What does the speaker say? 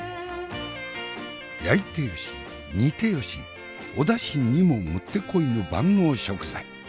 焼いてよし煮てよしお出汁にももってこいの万能食材。